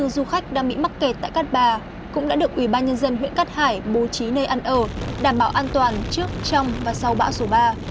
ba trăm tám mươi bốn du khách đang bị mắc kệt tại cát bà cũng đã được ủy ban nhân dân huyện cát hải bố trí nơi ăn ở đảm bảo an toàn trước trong và sau bão số ba